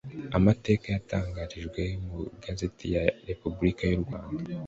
amatariki yatangarijweho mu igazetti ya repubulika yu rwanda